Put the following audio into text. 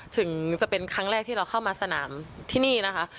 ถึงจะเป็นครั้งแรกที่เราเข้ามาสนามที่นี่นะคะ